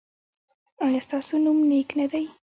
ایا ستاسو نوم نیک نه دی؟